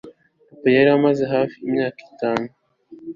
papa yari amaze hafi imyaka itanu